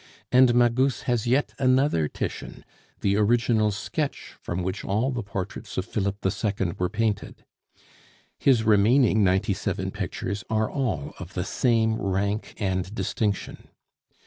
And Magus has yet another Titian, the original sketch from which all the portraits of Philip II. were painted. His remaining ninety seven pictures are all of the same rank and distinction.